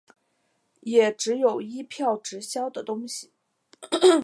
也只有一票直销的东西